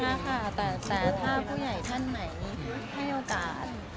ยากนะค่ะแต่ถ้าผู้ใหญ่ท่านใหม่ให้โอกาส